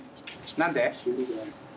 何で？